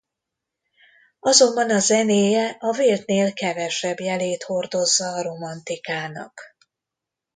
Azonban a zenéje a véltnél kevesebb jelét hordozza a romantikának.